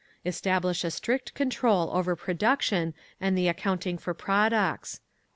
"Establish a strict control over production and the accounting for products.